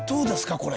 これ。